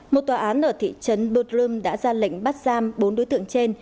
một tòa án ở thị trấn btrom đã ra lệnh bắt giam bốn đối tượng trên